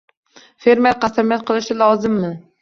Fermer qasamyod qilishi lozimmi?